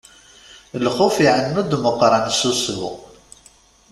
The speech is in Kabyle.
Lxuf iɛennu-d Meqqran s ussu.